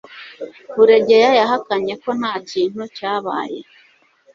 buregeya yahakanye ko nta kintu cyabaye